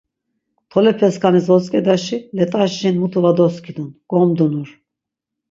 Tolepe skanis votzǩedaşi let̆aş jin mutu va doskidun, gomdunur.